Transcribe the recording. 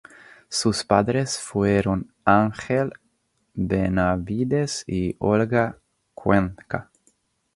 Sus padres fueron Ángel Benavides y Olga Cuenca.